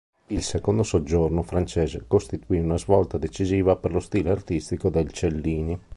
Il secondo soggiorno francese costituì una svolta decisiva per lo stile artistico del Cellini.